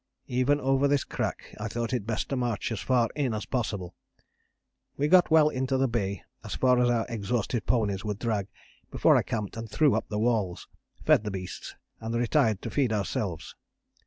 Even over this crack I thought it best to march as far in as possible. We got well into the bay, as far as our exhausted ponies would drag, before I camped and threw up the walls, fed the beasts, and retired to feed ourselves.